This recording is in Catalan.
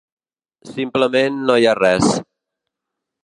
Simplement no hi ha res.